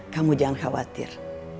kamu jangan khawatir